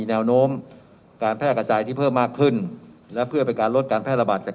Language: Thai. แนวโน้มการแพร่กระจายที่เพิ่มมากขึ้นและเพื่อเป็นการลดการแพร่ระบาดจาก